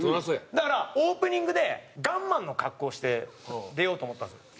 だからオープニングでガンマンの格好して出ようと思ったんですよ。